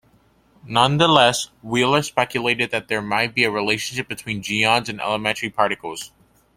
Nonetheless, Wheeler speculated that there might be a relationship between geons and elementary particles.